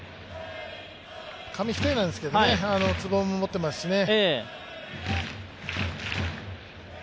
紙一重なんですけどね、ツボも持っていますしね。